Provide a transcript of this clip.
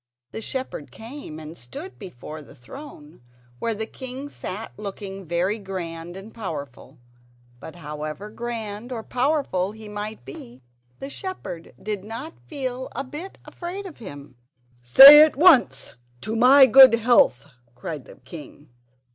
The shepherd came and stood before the throne, where the king sat looking very grand and powerful. But however grand or powerful he might be the shepherd did not feel a bit afraid of him. "Say at once, 'To my good health!'" cried the king.